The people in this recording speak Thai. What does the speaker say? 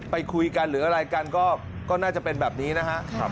ไปคุยกันหรืออะไรกันก็น่าจะเป็นแบบนี้นะครับ